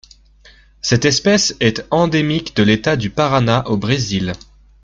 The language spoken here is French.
Cette espèce est endémique de l'État du Paraná au Brésil.